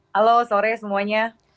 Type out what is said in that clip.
halo sore semuanya